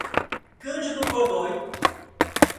Cândido Godói